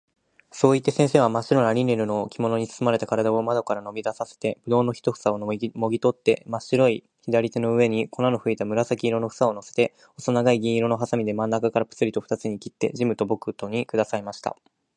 そういって、先生は真白なリンネルの着物につつまれた体を窓からのび出させて、葡萄の一房をもぎ取って、真白い左の手の上に粉のふいた紫色の房を乗せて、細長い銀色の鋏で真中からぷつりと二つに切って、ジムと僕とに下さいました。真白い手の平に紫色の葡萄の粒が重って乗っていたその美しさを僕は今でもはっきりと思い出すことが出来ます。